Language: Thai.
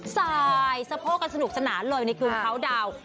สายสะโพกกันสนุกสนานเลยในคืนเขาดาวน์